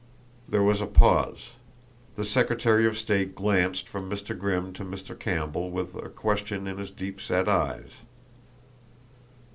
There was a pause. The secretary of state glanced from Mr. Grimm to Mr. Campbell with a question in his deep set eyes.